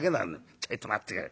「ちょいと待ってくれ。